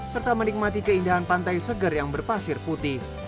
serta menikmati keindahan pantai seger yang berpasir putih